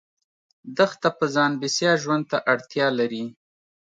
دښته په ځان بسیا ژوند ته اړتیا لري.